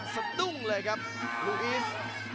สะดุ้งเลยครับลูอีส